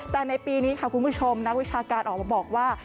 แต่ในปีนี้ค่ะคุณผู้ชมนักวิชาการออกมาบอกว่า